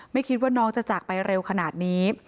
ไม่คิดว่าน้องจะจากไปเร็วขนาดนี้